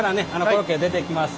コロッケが出てきます。